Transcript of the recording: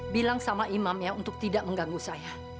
bilang sama imam ya untuk tidak mengganggu saya